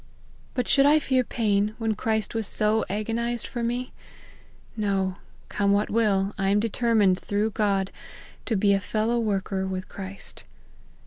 But should I fear pain, when Christ was so agonized for me ? No, come what will, I am determined, through God, to be a fellow worker with Christ.